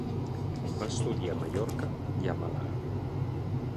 Va estudiar a Mallorca i a Màlaga.